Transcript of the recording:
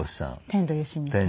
天童よしみさん。